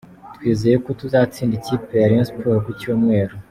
Twizeye ko tuzatsinda ikipe ya Rayon Sports ku Cyumweru.